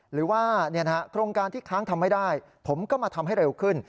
หรือว่าโครงการที่ค้างทำไม่ได้ผมก็มาทำให้เร็วขึ้น